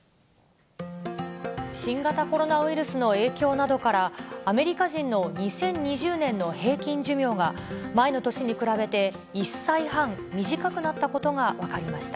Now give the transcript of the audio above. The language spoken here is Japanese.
新型コロナウイルスの影響などから、アメリカ人の２０２０年の平均寿命が、前の年に比べて１歳半、短くなったことが分かりました。